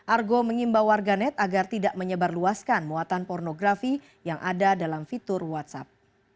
argo mengimbau warganet agar tidak menyebarluaskan muatan pornografi yang ada dalam fitur whatsapp